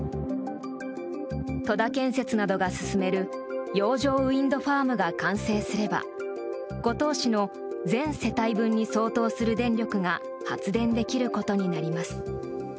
戸田建設などが進める洋上ウィンドファームが完成すれば五島市の全世帯分に相当する電力が発電できることになります。